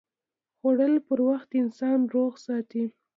خوړل پر وخت انسان روغ ساتي